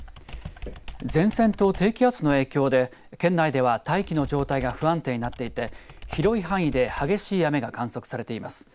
前線と低気圧の影響で県内では大気の状態が不安定になっていて広い範囲で激しい雨が観測されています。